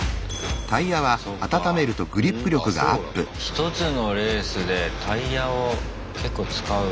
１つのレースでタイヤを結構使う。